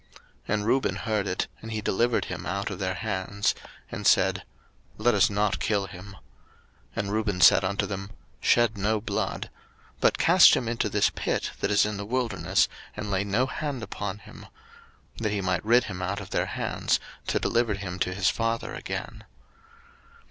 01:037:021 And Reuben heard it, and he delivered him out of their hands; and said, Let us not kill him. 01:037:022 And Reuben said unto them, Shed no blood, but cast him into this pit that is in the wilderness, and lay no hand upon him; that he might rid him out of their hands, to deliver him to his father again.